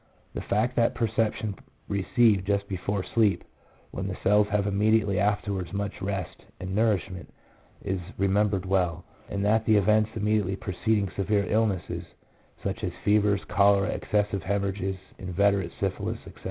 The fact that perception received just before sleep, when the cells have immediately afterwards much rest and nourishment, is remembered well; and that the events immediately preceding severe illnesses, such as fevers, cholera, excessive hemorrhages, inveterate syphilis, etc.